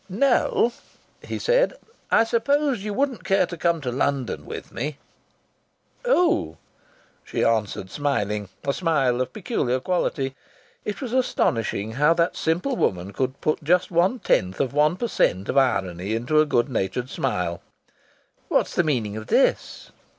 "Nell," he said, "I suppose you wouldn't care to come to London with me?" "Oh!" she answered smiling, a smile of a peculiar quality. It was astonishing how that simple woman could put just one tenth of one per cent of irony into a good natured smile. "What's the meaning of this?"